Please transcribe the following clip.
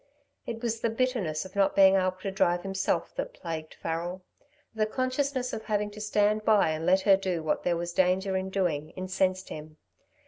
It was the bitterness of not being able to drive himself that plagued Farrel: the consciousness of having to stand by and let her do what there was danger in doing, incensed him.